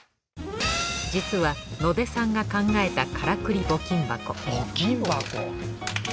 実は野出さんが考えたからくり募金箱募金箱！